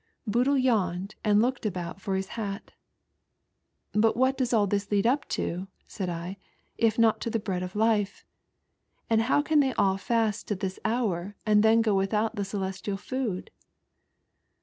Boodle yawned and looked about for his hat. " But what does all this lead up to?" said I, "if not to the Bread of Life ? aud how can they all fast to this hour and then go away without the Celestial Food?"